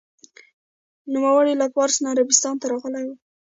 نوموړی له پارس نه عربستان ته راغلی و.